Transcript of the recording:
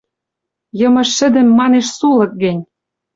Йымы шӹдӹм манеш сулык гӹнь?»